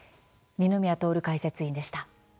二宮徹解説委員でした。